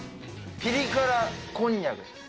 ピリ辛こんにゃくです。